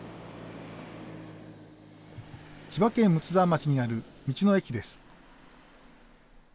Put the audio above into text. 千葉県睦沢町にある道の駅です。